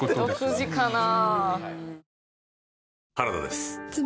独自かな？